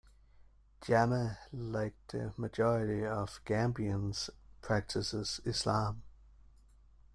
Jammeh, like the majority of Gambians, practices Islam.